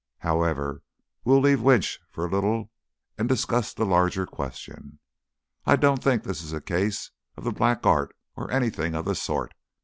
"However, we'll leave Winch for a little and discuss the larger question. I don't think this is a case of the black art or anything of the sort.